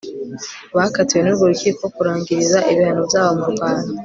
bakatiwe n'urwo rukiko kurangiriza ibihano byabo mu rwanda